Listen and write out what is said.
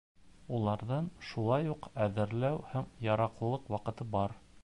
Уларҙың шулай уҡ әҙерләү һәм яраҡлылыҡ ваҡыты бар.